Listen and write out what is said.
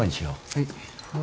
はい